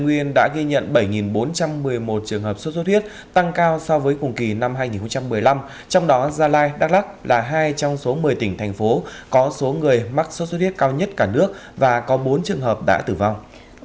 nguyên đã ghi nhận bảy bốn trăm một mươi một trường hợp sốt xuất huyết tăng cao so với cùng kỳ năm hai nghìn một mươi năm trong đó gia lai đắk lắc là hai trong số một mươi tỉnh thành phố có số người mắc sốt xuất huyết cao nhất cả nước và có bốn trường hợp đã tử vong